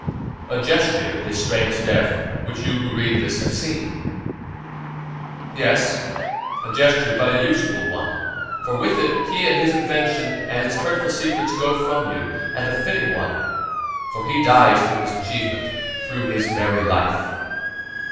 A gesture, his strange death, which you who read this have seen? Yes, but a useful one, for with it he and his invention and its hurtful secrets go from you; and a fitting one, for he dies through his achievement, through his very life.